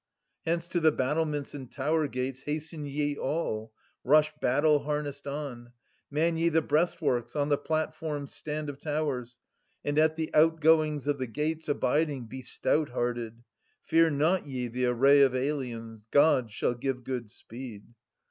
Hence to the battlements and tower gates 30 Hasten ye all : rush battle harnessed on : Man ye the breastworks, on the platforms stand Of towers, and at the outgoings of the gates Abiding, be stout hearted : fear not ye The array of aliens : God shall give good speed.